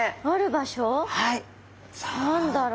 何だろう。